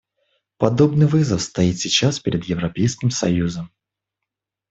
Подобный вызов стоит сейчас перед Европейским союзом.